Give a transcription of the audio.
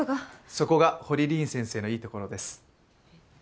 そこが堀凛先生のいいところです。